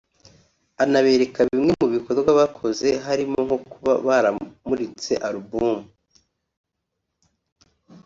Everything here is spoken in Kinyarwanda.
anabereka bimwe mu bikorwa bakoze harimo nko kuba baramuritse album